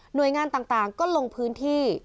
โดยงานต่างก็ลงพื้นที่